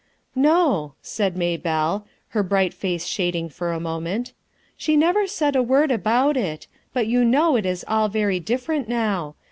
"No," said Maybelle, her bright face shadin* for a moment, "She never said a wort! about it; but you know it is all very different now.